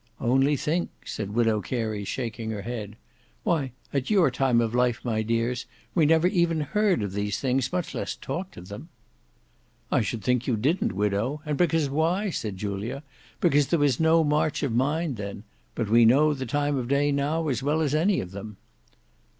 "Only think!" said Widow Carey shaking her head. "Why, at your time of life, my dears, we never even heard of these things, much less talked of them." "I should think you didn't, widow, and because why?" said Julia; "because there was no march of mind then. But we know the time of day now as well as any of them."